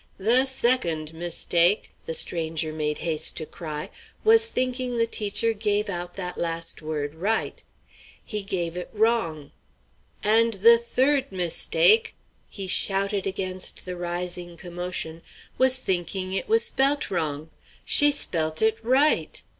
"The second mistake," the stranger made haste to cry, "was thinking the teacher gave out that last word right. He gave it wrong! And the third mistake," he shouted against the rising commotion, "was thinking it was spelt wrong. _She spelt it right!